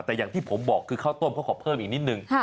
แต่อย่างที่ผมบอกคือข้าวต้มเขาขอเพิ่มอีกนิดนึง